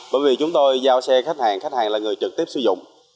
bởi vì chúng tôi giao xe khách hàng khách hàng là người trực tiếp sử dụng